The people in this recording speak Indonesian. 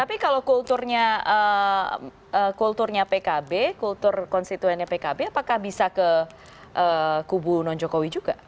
tapi kalau kulturnya kulturnya pkb kultur konstituennya pkb apakah bisa ke kubu non jokowi juga